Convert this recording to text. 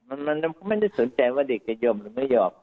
มันไม่ได้สนใจว่าเด็กจะยอมหรือไม่ยอม